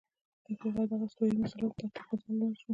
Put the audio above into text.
د افریقا دغو استوايي محصولاتو ته تقاضا لوړه شوه.